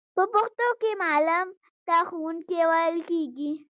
په پښتو کې معلم ته ښوونکی ویل کیږی.